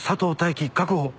確保。